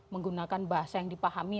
menggunakan bahasa yang dipahami